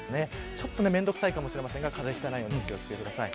ちょっと面倒くさいかもしれませんが風邪をひかないようにお気を付けください